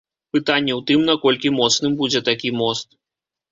Пытанне ў тым, наколькі моцным будзе такі мост.